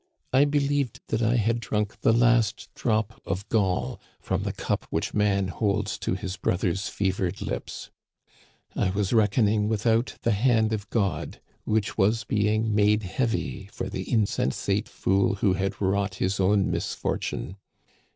I believed that I had drunk the last drop of gall from the cup Digitized by VjOOQIC I50 THE CAJSTADIANS OF OLD. which roan holds to his brother's fevered lips. I was reckoning without the hand of God, which was being made heavy for the insensate fool who had wrought his own misfortune.